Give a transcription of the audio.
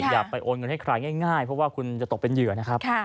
อย่าไปโอนเงินให้ใครง่ายเพราะว่าคุณจะตกเป็นเหยื่อนะครับ